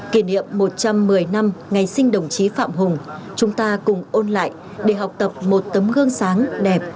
kỷ niệm một trăm một mươi năm ngày sinh đồng chí phạm hùng chúng ta cùng ôn lại để học tập một tấm gương sáng đẹp